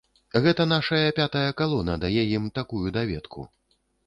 Гэта нашая пятая калона дае ім такую даведку.